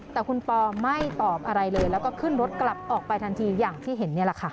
แต่คุณปอไม่ตอบอะไรเลยแล้วก็ขึ้นรถกลับออกไปทันทีอย่างที่เห็นนี่แหละค่ะ